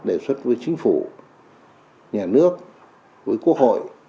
đề xuất với chính phủ nhà nước với quốc hội